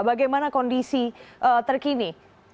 bagaimana kondisi terkini